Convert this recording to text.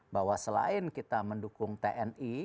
bahwa selain kita mendukung tni